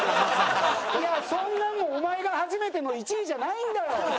いやそんなもんお前が初めての１位じゃないんだよ！